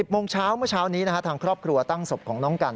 โมงเช้าเมื่อเช้านี้ทางครอบครัวตั้งศพของน้องกัน